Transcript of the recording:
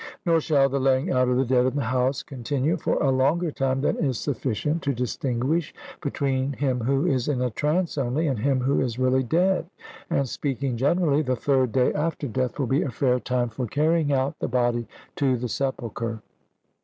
Nor shall the laying out of the dead in the house continue for a longer time than is sufficient to distinguish between him who is in a trance only and him who is really dead, and speaking generally, the third day after death will be a fair time for carrying out the body to the sepulchre.